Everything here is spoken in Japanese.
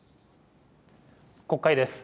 国会です。